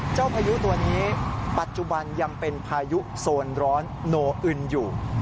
พายุตัวนี้ปัจจุบันยังเป็นพายุโซนร้อนโนอึนอยู่